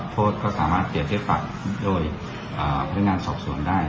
โทษก็สามารถเปรียบเทียบปรับโดยพนักงานสอบสวนได้